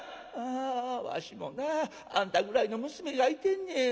わしもなあんたぐらいの娘がいてんねん。